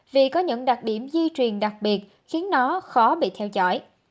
vì có những đặc điểm di truyền đặc biệt khiến nó khó bị theo dõi